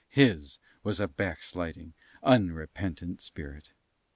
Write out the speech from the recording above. His was a backsliding, unrepentant spirit.